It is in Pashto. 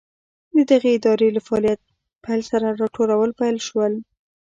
د دغې ادارې له فعالیت پیل سره راټولول پیل شول.